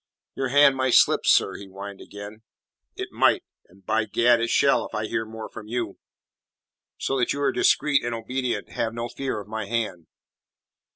"Your hand might slip, sir," he whined again. "It might and, by Gad, it shall if I hear more from you. So that you are discreet and obedient, have no fear of my hand."